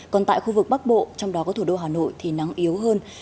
còn tại khu vực bắc bộ trong đó có thủ đô hà nội thì nắng yếu hơn